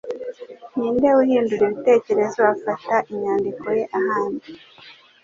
ninde uhindura ibitekerezo afata indahiro ye ahandi